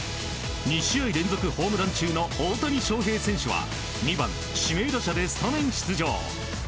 ２試合連続のホームラン中の大谷翔平選手は２番指名打者でスタメン出場。